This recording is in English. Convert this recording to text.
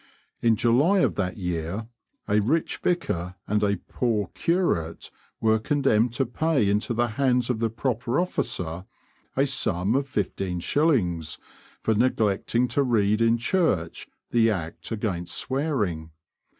In July of that year a rich vicar and a poor curate were condemned to pay into the hands of the proper officer a sum of 15_l._ for neglecting to read in church the Act against swearing.